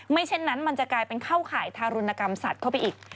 เช่นนั้นมันจะกลายเป็นเข้าข่ายทารุณกรรมสัตว์เข้าไปอีก